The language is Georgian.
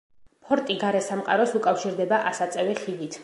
ფორტი გარესამყაროს უკავშირდება ასაწევი ხიდით.